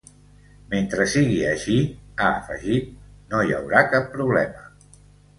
Mentre sigui així, ha afegit, ‘no hi haurà cap problema’.